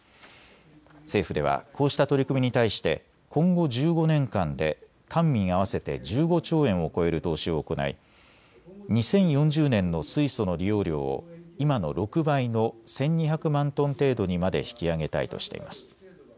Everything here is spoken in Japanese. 政府では、こうした取り組みに対して今後１５年間で官民合わせて１５兆円を超える投資を行い２０４０年の水素の利用量を今の６倍の１２００万トン程度にまで引き上げたいとしています。